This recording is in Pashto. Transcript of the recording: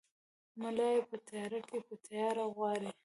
ملا ېې په تیاره کې پر تیاره غواړي!